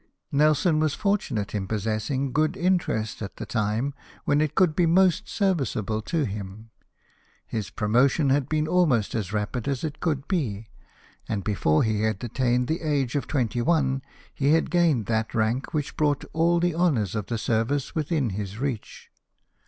Nelson was fortunate in possessing good interest at the time when it could be most serviceable to him; his promotion had been almost as rapid as it could be ; and before he had attained the age of twenty one he had gained that rank which brought all the honours of the service within his reach.